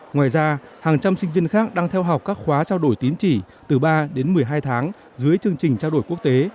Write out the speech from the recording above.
ngoài ra hàng trăm sinh viên khác đang theo học các khóa trao đổi tín chỉ từ ba đến một mươi hai tháng dưới chương trình trao đổi quốc tế